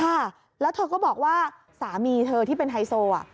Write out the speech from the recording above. ค่ะแล้วเธอก็บอกว่าสามีเธอที่เป็นไฮโซอ่ะ